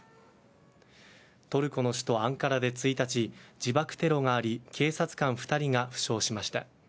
トルコの首都・アンカラで１日自爆テロがあり警察官２人が負傷しました。